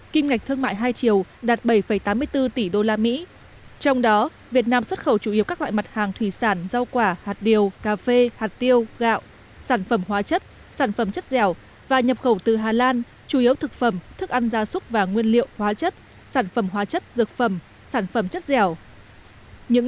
kim ngạch thương mại hai triệu đạt bảy tám mươi bốn tỷ usd trong đó việt nam xuất khẩu chủ yếu các loại mặt hàng thủy sản rau quả hạt điều cà phê hạt tiêu gạo sản phẩm hóa chất sản phẩm chất dẻo và nhập khẩu từ hà lan chủ yếu thực phẩm thức ăn gia súc và nguyên liệu hóa chất sản phẩm hóa chất dược phẩm sản phẩm chất dẻo